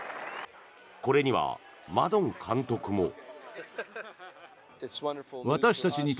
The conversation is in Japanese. これにはマドン監督も。